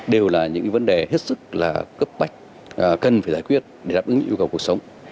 đều là những vấn đề hết sức là cấp bách cần phải giải quyết để đáp ứng yêu cầu cuộc sống